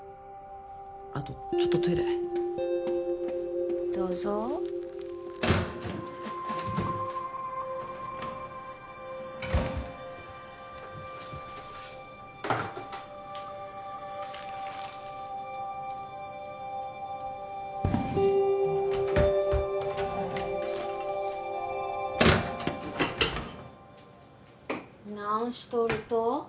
あとちょっとトイレどうぞ何しとると？